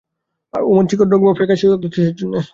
অমন চিকন রঙ তার ফ্যাকাশে হয়ে গেল কী জন্যে?